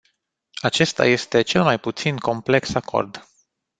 Acesta este cel mai puțin complex acord.